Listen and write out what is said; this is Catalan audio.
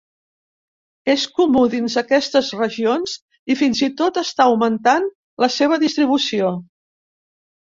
És comú dins aquestes regions i fins i tot està augmentant la seva distribució.